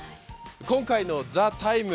今回の「ＴＨＥＴＩＭＥ，」